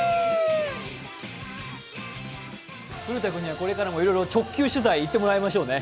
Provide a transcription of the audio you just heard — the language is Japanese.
古田君にはこれからも直球取材行ってもらいましょうね。